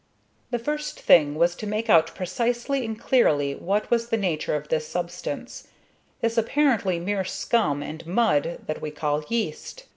The first thing was to make out precisely and clearly what was the nature of this substance, this apparently mere scum and mud that we call yeast.